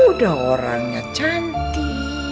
udah orangnya cantik